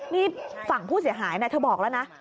นี่ฝั่งผู้เสียหายนะเธอบอกแล้วนะ